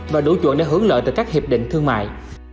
và đủ chuẩn để hưởng lợi từ các hiệp định thương mại